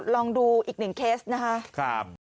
ลองดูอีก๑เคสนะคะ